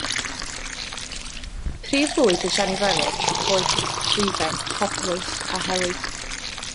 Prif fwyd y siani flewog ydy coed llwyfen, poplys a helyg.